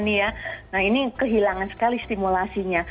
nah ini kehilangan sekali stimulasinya